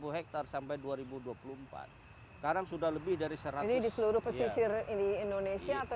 enam ratus tiga puluh hektare sampai dua ribu dua puluh empat sekarang sudah lebih dari seragam di seluruh pesisir indonesia atau